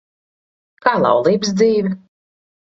Kā laulības dzīve?